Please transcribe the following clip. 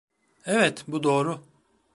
Evet, bu doğru.